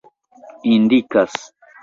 indikas